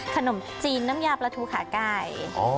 ขนมจีนน้ำยาปลาทูขาไก่